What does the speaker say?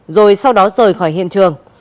rồi sau đó rời khỏi hiện trường